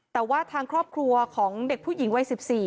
แต่ว่าทางครอบครัวของเด็กผู้หญิงวัย๑๔